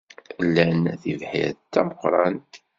Lan tibḥirt d tameqrant.